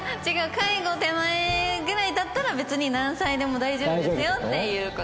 介護手前ぐらいだったら別に何歳でも大丈夫ですよっていう事。